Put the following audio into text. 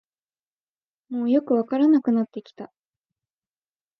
もうよくわからなくなってきた